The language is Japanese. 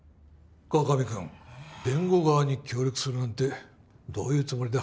川上君弁護側に協力するなんてどういうつもりだ？